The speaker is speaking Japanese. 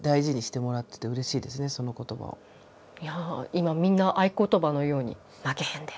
今みんな合い言葉のように「負けへんで」。